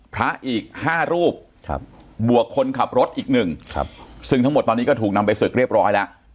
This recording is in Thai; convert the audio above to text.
พระอีก๕รูปบวกคนขับรถอีกหนึ่งซึ่งทั้งหมดตอนนี้ก็ถูกนำไปศึกเรียบร้อยแล้ว